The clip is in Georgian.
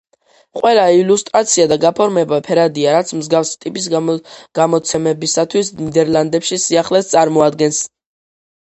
ყველა ილუსტრაცია და გაფორმება ფერადია, რაც მსგავსი ტიპის გამოცემებისათვის ნიდერლანდებში სიახლეს წარმოადგენს.